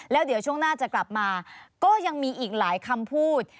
แล้วเดี๋ยวช่วงหน้าจะกลับมาก็ยังมีอีกหลายคำพูด